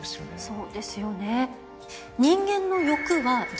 そうですよね。